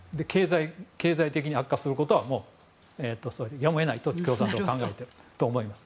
経済的に悪化することはやむを得ないと考えていると思います。